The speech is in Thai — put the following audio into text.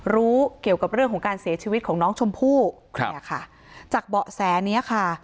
รู้เกี่ยวของเรื่องการเสียชีวิตของน้องชมพู่จากเบาะแสเนี้ยค่ะ